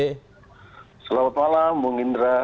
selamat malam bapak indra